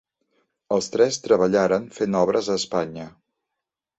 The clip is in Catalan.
Els tres treballaren fent obres a Espanya.